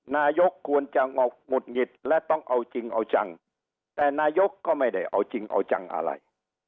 นายกควรจะหงุดหงิดและต้องเอาจริงเอาจังแต่นายกก็ไม่ได้เอาจริงเอาจังอะไร